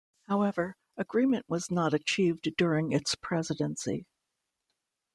However, agreement was not achieved during its Presidency.